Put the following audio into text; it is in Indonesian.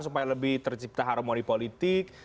supaya lebih tercipta harmoni politik